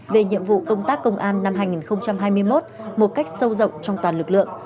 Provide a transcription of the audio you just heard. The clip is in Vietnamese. về nhiệm vụ công tác công an năm hai nghìn hai mươi một một cách sâu rộng trong toàn lực lượng